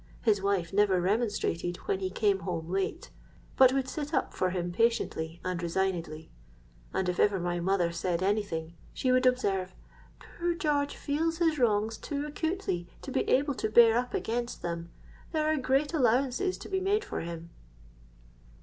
His wife never remonstrated when he came home late; but would sit up for him patiently and resignedly: and if ever my mother said any thing, she would observe, 'Poor George feels his wrongs too acutely to be able to bear up against them: there are great allowances to be made for him.'